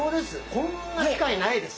こんな機会ないです。